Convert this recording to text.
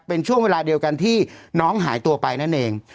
เป็นช่วงเวลาเดียวกันที่น้องหายตัวไปนั่นเอง